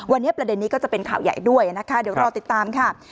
วันนี้ประเด็นนี้ก็จะเป็นข่าวใหญ่ด้วยนะคะเดี๋ยวรอติดตามค่ะ